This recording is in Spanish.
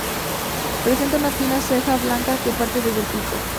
Presenta una fina ceja blanca que parte desde el pico.